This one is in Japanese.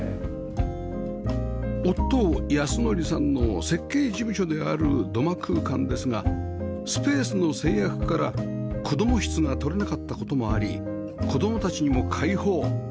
夫保典さんの設計事務所である土間空間ですがスペースの制約から子供室が取れなかった事もあり子供たちにも開放